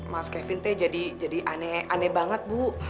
mas kevin jadi aneh aneh banget bu